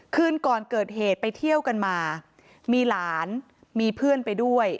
คืนก่อนเกิดเหตุไปเที่ยวกันมามีหลานมีเพื่อนไปด้วย